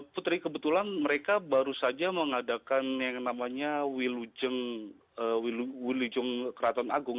putri kebetulan mereka baru saja mengadakan yang namanya wilujeng keraton agung